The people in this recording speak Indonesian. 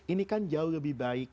ini kan jauh lebih baik